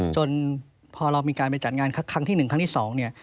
จนพอเรามีการไปจัดงานครั้งที่๑ครั้งที่๒เนี่ย